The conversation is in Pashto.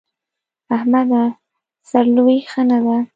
احمده! سر لويي ښه نه ده.